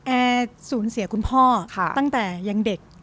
แอร์สูญเสียคุณพ่อตั้งแต่ยังเด็ก